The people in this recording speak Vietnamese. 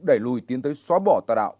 đẩy lùi tiến tới xóa bỏ tà đạo